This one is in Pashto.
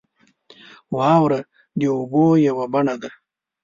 • واوره د اوبو یوه بڼه ده.